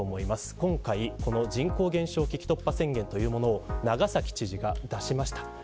今回、人口減少危機突破宣言を長崎知事が出しました。